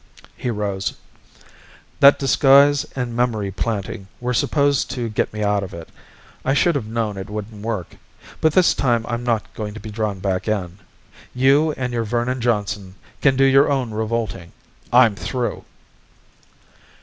He rose. "That disguise and memory planting were supposed to get me out of it. I should have known it wouldn't work. But this time I'm not going to be drawn back in! You and your Vernon Johnson can do your own revolting. I'm through!"